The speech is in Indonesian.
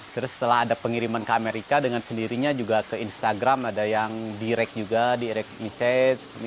terus setelah ada pengiriman ke amerika dengan sendirinya juga ke instagram ada yang direct juga di message